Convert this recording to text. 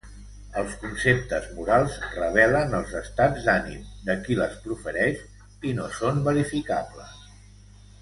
Els conceptes morals revelen els estats d'ànim de qui les profereix i no són verificables.